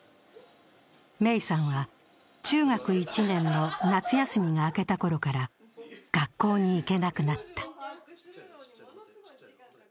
芽生さんは中学１年の夏休みが明けたころから学校に行けなくなった。